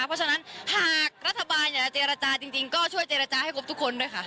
เพราะฉะนั้นหากรัฐบาลอยากจะเจรจาจริงก็ช่วยเจรจาให้ครบทุกคนด้วยค่ะ